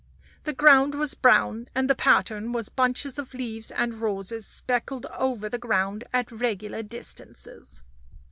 The ground was brown, and the pattern was bunches of leaves and roses speckled over the ground at regular distances.